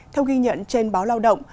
theo ghi nhận trên báo lao động